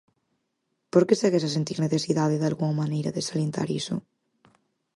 Por que segues a sentir necesidade, dalgunha maneira, de salientar iso?